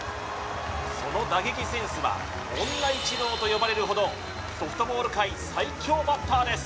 その打撃センスは女イチローと呼ばれるほどソフトボール界最強バッターです